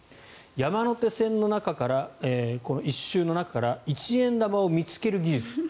山の手線の中から１周の中から１円玉を見つける技術。